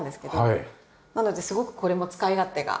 なのですごくこれも使い勝手がいいですね。